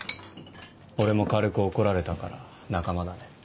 俺も軽く怒られたから仲間だね。